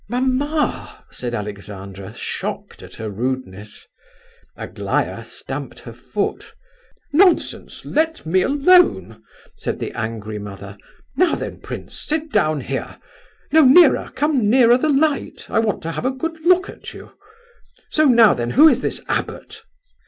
"Mamma!" said Alexandra, shocked at her rudeness. Aglaya stamped her foot. "Nonsense! Let me alone!" said the angry mother. "Now then, prince, sit down here, no, nearer, come nearer the light! I want to have a good look at you. So, now then, who is this abbot?"